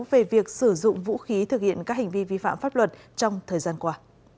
về việc sử dụng vũ khí thực hiện các hành vi vi phạm pháp luật trong thời gian qua